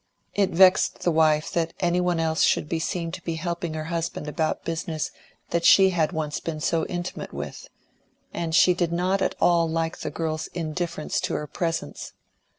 It vexed the wife that any one else should seem to be helping her husband about business that she had once been so intimate with; and she did not at all like the girl's indifference to her presence.